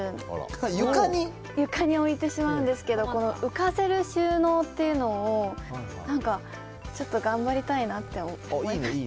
床に置いてしまうんですけど、浮かせる収納っていうのを、なんかちょっと頑張りたいなって思いました。